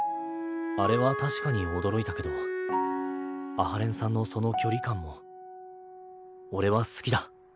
あれは確かに驚いたけど阿波連さんのその距離感も俺は好きだ。